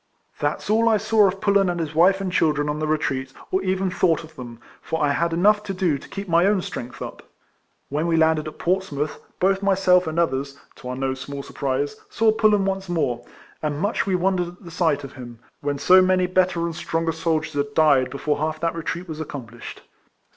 That 's all I saw of Pullen, and his wife and children, on the retreat, or even thought of them; for I had enough to do to keep my own strength up. When we landed at Portsmouth, both myself and others (to our no small surprise), saw Pullen once more; and much we wondered at the sight of him, when so many better and stronger soldiers had died before half of that retreat was accomplished.